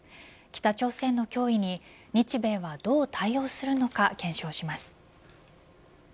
北朝鮮の脅威に日米はどう対応するのか検証します。